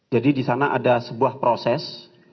jadi disana ada sebuah proses